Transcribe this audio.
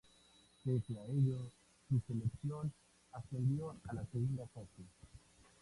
Pese a ello, su selección accedió a la segunda fase.